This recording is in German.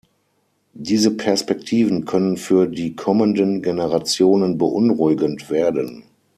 Diese Perspektiven können für die kommenden Generationen beunruhigend werden.